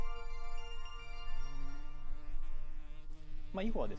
囲碁はですね